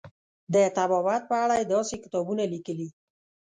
د طبابت په اړه یې داسې کتابونه لیکلي.